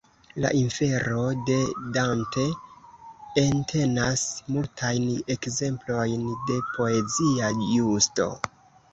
La "Infero" de Dante entenas multajn ekzemplojn de poezia justo.